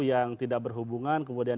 yang tidak berhubungan kemudian